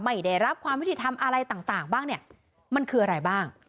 ไม่ได้รับความยุติธรรมอะไรต่างบ้างเนี่ยมันคืออะไรบ้าง